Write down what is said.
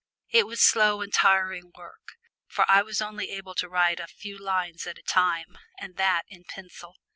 It was slow and tiring work, for I was only able to write a few lines at a time, and that in pencil.